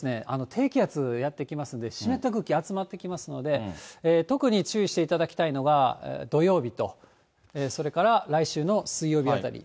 低気圧、やって来ますんで、湿った空気集まってきますので、特に注意していただきたいのが、土曜日と、それから来週の水曜日あたり。